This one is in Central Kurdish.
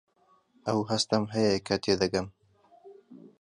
ئەو هەستەم هەیە کە تێدەگەم.